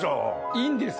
いいんです。